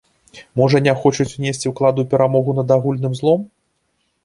Можа, не хочуць унесці ўклад у перамогу над агульным злом?